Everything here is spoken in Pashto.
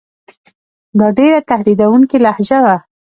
دا ډېره تهدیدوونکې لهجه وه.